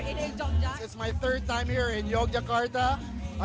dan ini adalah malam terbaik di jogja